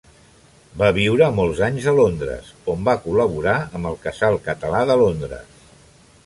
Va viure molts anys a Londres, on va col·laborar amb el Casal Català de Londres.